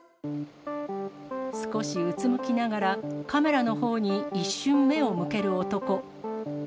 少しうつむきながら、カメラのほうに一瞬目を向ける男。